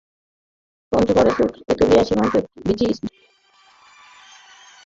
পঞ্চগড়ের তেঁতুলিয়া সীমান্তে বিজিবির টহল ক্যাম্প স্থাপন করায় বিএসএফ তাতে বাধা দেয়।